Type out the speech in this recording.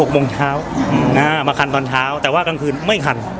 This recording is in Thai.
๖โมงเช้ามาคันตอนเช้าแต่ว่ากลางคืนไม่คัน